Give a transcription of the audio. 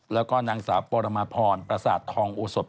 แล้วก็นางสาวปรมาพรประสาททองโอสด